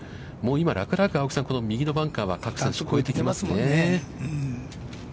今楽々右のバンカーは越えてきますもんね。